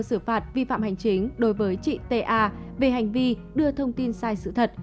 xử phạt vi phạm hành chính đối với chị ta về hành vi đưa thông tin sai sự thật